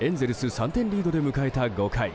３点リードで迎えた５回。